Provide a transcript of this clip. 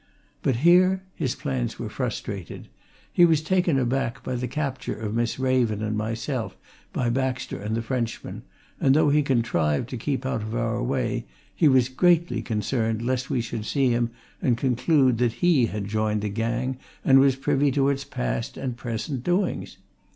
But here his plans were frustrated. He was taken aback by the capture of Miss Raven and myself by Baxter and the Frenchman, and though he contrived to keep out of our way, he was greatly concerned lest we should see him and conclude that he had joined the gang and was privy to its past and present doings.